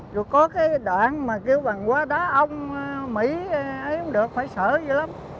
rồi có cái đoạn mà kêu bằng quá đá ông mỹ ấy không được phải sở vậy lắm